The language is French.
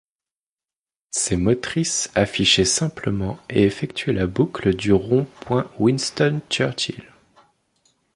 Ces motrices affichaient simplement et effectuaient la boucle du rond point Winston Churchill.